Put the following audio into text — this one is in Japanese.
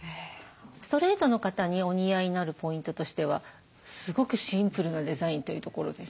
ストレートの方にお似合いになるポイントとしてはすごくシンプルなデザインというところです。